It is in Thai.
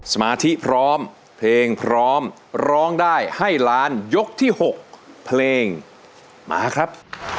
สมาธิพร้อมเพลงพร้อมร้องได้ให้ล้านยกที่๖เพลงมาครับ